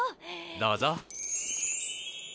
どうぞ。